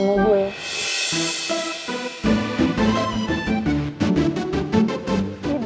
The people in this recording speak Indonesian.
ya gua tuh